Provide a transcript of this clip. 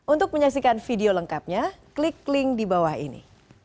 untuk menyaksikan video lengkapnya klik link di bawah ini